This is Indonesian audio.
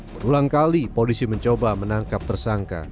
berulang kali polisi mencoba menangkap tersangka